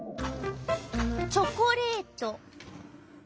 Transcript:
チョコレート。